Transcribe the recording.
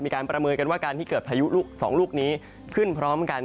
ประเมินกันว่าการที่เกิดพายุลูกสองลูกนี้ขึ้นพร้อมกัน